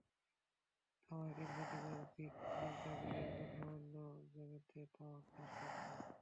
তামাকের ক্ষতিকর দিক চিন্তা করে এখন সামান্য জমিতে তামাক চাষ করছেন।